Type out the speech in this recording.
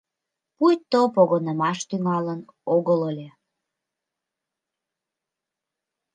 Пуйто погынымаш тӱҥалын огыл ыле.